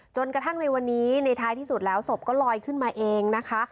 จนกระทั่งในวันนี้ในท้ายที่สุดแล้วศพก็ลอยขึ้นมาเองนะคะ